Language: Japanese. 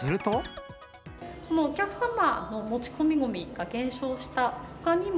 もう、お客様の持ち込みごみが減少したほかにも、